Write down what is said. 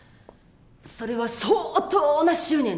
それは相当な執念だ。